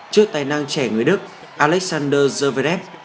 trước tài năng trẻ người đức alexander zverev